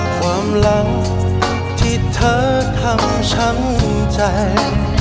ความรักที่เธอทำช้ำใจ